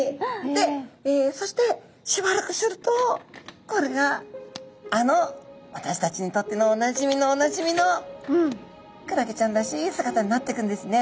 でそしてしばらくするとこれがあの私たちにとってのおなじみのおなじみのクラゲちゃんらしい姿になっていくんですね。